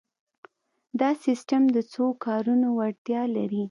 دا سیسټم د څو کارونو وړتیا لري.